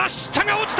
落ちた！